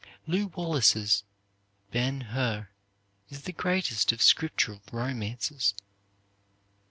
Lew Wallace's "Ben Hur" is the greatest of scriptural romances.